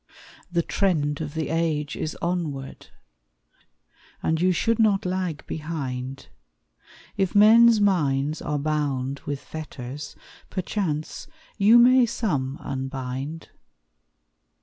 The trend of the age is onward, And you should not lag behind; If men's minds are bound with fetters, Perchance you may some unbind.